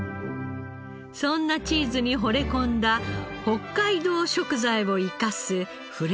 そんなチーズにほれ込んだ北海道食材を生かすフレンチの匠。